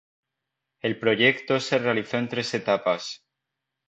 El proyecto se realizó en tres etapas.